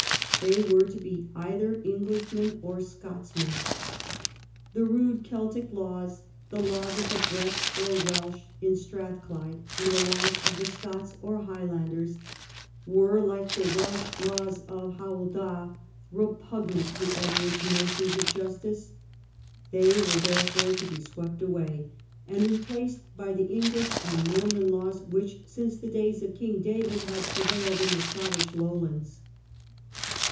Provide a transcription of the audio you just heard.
They Avere to be either Englishmen or Scotsmen. The rude Celtic laws — the laws of the Brets or AVelsh in Strathclyde, and the laws of the Scots or Highlanders — were, like the Welsh laws of Howel Dda, repugnant to Edward's notions of justice. They were therefore to be swept away, and replaced by the English and Norman laws which, since the days of King David, had prevailed in the Scottish Lowlands.